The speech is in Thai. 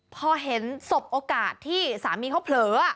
พอเห็นสบโอกาสที่สามีเขาเผลอ